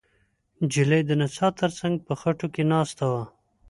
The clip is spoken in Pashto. نجلۍ د څا تر څنګ په خټو کې ناسته وه.